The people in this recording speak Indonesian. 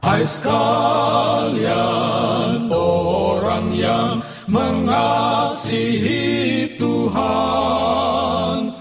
aiskalian orang yang mengasihi tuhan